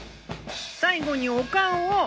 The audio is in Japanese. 最後にお顔を。